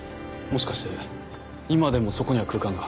もしかして今でもそこには空間が？